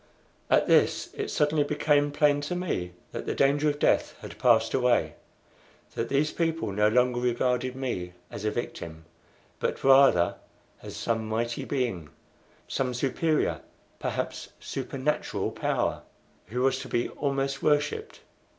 At this it suddenly became plain to me that the danger of death had passed away; that these people no longer regarded me as a victim, but rather as some mighty being some superior, perhaps supernatural power, who was to be almost worshipped.